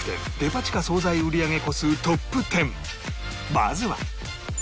まずは